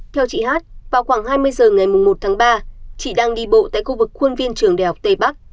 theo chị hát vào khoảng hai mươi h ngày một ba chị đang đi bộ tại khuôn viên trường đại học tây bắc